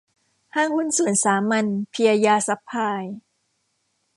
ห้างหุ้นส่วนสามัญ เพียยาซัพพลาย